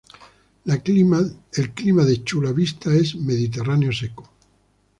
El clima de Chula Vista es mediterráneo seco.